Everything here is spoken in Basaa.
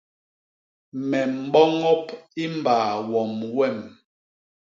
Me mboñop i mbaa wom wem.